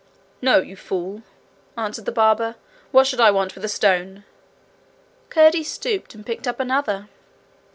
'No, you fool!' answered the barber. 'What should I want with a stone?' Curdie stooped and picked up another.